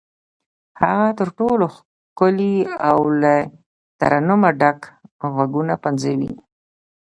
هغه تر ټولو ښکلي او له ترنمه ډک غږونه پنځوي.